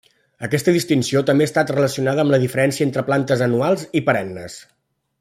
Aquesta distinció també està relacionada amb la diferència entre plantes anuals i perennes.